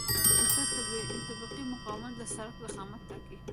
د بستر د طبقې مقاومت د سرک ضخامت ټاکي